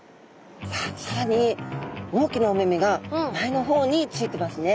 さらに大きなお目目が前の方についてますね。